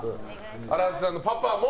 荒瀬さんのパパも